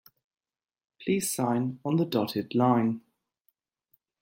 Please sign on the dotted line.